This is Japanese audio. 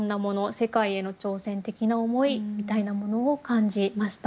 世界への挑戦的な思いみたいなものを感じました。